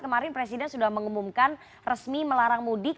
kemarin presiden sudah mengumumkan resmi melarang mudik